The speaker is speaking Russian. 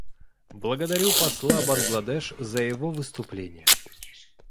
Благодарю посла Бангладеш за его выступление.